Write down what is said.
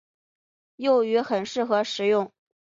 幼鱼很适合食用。